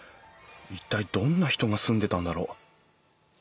一体どんな人が住んでたんだろう？